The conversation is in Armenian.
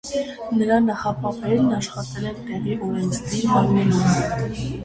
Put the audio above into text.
Նրա նախապապերն աշխատել են տեղի օրենսդիր մարմնում։